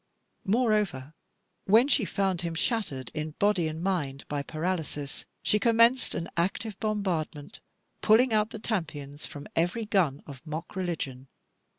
Moreover, when she found him shattered in body and mind by paralysis, she commenced an active bombardment, pulling out the tompions from every gun of mock religion.